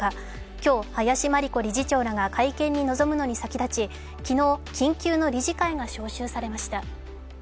今日、林真理子理事長らが会見に臨むのに先立ち、昨日、緊急の理事会が招集されました。